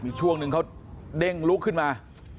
มีช่วงหนึ่งเขาเด้งลุกขึ้นมา